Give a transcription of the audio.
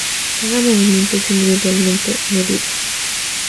Cada movimiento es individualmente medido.